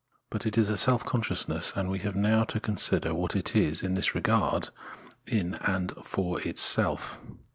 But it is a self consciousness, and we have now to consider what it is, in this regard, in and for itself.